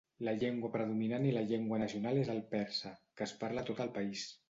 La llengua predominant i la llengua nacional és el persa, que es parla a tot el país.